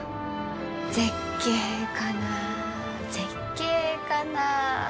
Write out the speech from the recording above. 「絶景かな絶景かな」。